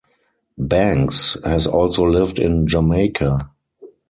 Banks has also lived in Jamaica.